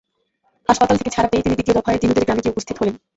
হাসপাতাল থেকে ছাড়া পেয়েই তিনি দ্বিতীয় দফায় দিনুদের গ্রামে গিয়ে উপস্থিত হলেন।